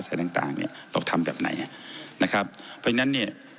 อะไรต่างต่างเนี่ยเราทำแบบไหนนะครับเพราะฉะนั้นเนี่ย